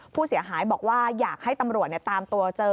ผู้เสียหายบอกว่าอยากให้ตำรวจตามตัวเจอ